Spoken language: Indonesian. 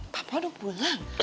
papa udah pulang